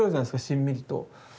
しんみりと。